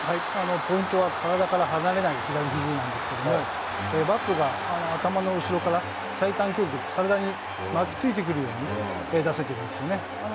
ポイントは体から離れない左肘なんですけれど、バットが頭の後ろから最短距離で体に巻き付いてくるバッティングですよね。